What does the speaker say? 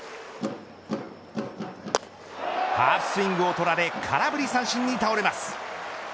ハーフスイングを取られ空振り三振に倒れます。